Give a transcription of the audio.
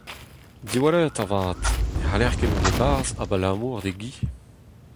Diwallit, avat, ne c'haller ket mont e-barzh abalamour d'e gi.